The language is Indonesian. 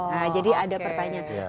nah jadi ada pertanyaan